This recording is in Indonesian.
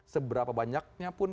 seberapa banyaknya pun